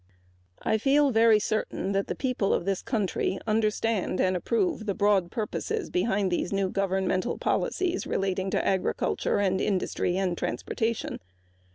I am certain that the people of this country understand and approve the broad purposes behind these new governmental policies relating to agriculture and industry and transportation.